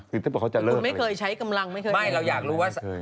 คือถ้าบอกเขาจะเลิกอะไรคุณไม่เคยใช้กำลังไม่เคย